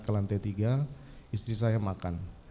ke lantai tiga istri saya makan